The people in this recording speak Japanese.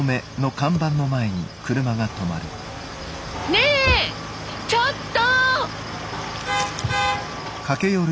ねえちょっと！